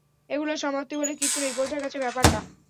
এগুলোর সমাপ্তি বলে কিছু নেই, বোঝা গেছে ব্যাপারটা?